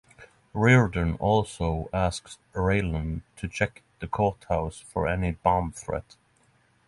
Reardon also asks Raylan to check the courthouse for any bomb threat.